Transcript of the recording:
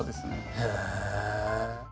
へえ。